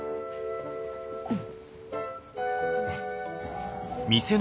うん。